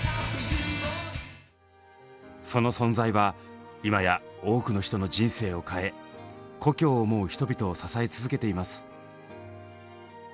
その存在は今や多くの人の人生を変え故郷を思う人々を支え続けています。